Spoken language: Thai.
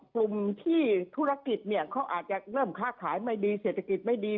กลุ่มที่ธุรกิจเนี่ยเขาอาจจะเริ่มค้าขายไม่ดีเศรษฐกิจไม่ดี